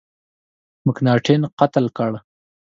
مکناټن قتل کړ.